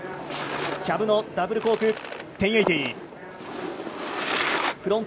キャブのダブルコーク１０８０。